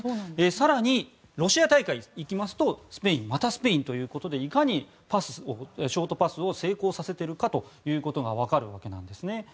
更にロシア大会にいきますとスペインまたスペインということでいかにショートパスを成功させているかが分かるわけです。